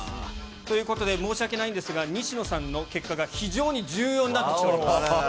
ということで、申し訳ないんですが、西野さんの結果が非常に重要になってきております。